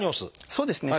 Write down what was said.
そうですね。